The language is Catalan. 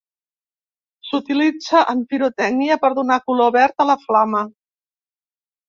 S'utilitza en pirotècnia per donar color verd a la flama.